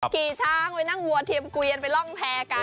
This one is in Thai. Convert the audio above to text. ขี่ช้างไปนั่งวัวเทียมเกวียนไปร่องแพร่กัน